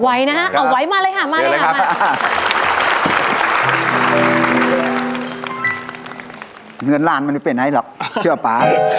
ไหวนะไหวมาเลยค่ะ